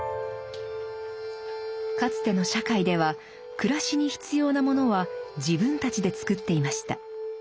かつての社会では暮らしに必要なものは自分たちで作っていました。